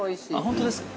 ◆本当ですか。